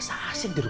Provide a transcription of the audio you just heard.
saya mau ngantri juga